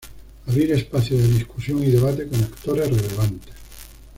Abrir espacios de discusión y debate con actores relevantes.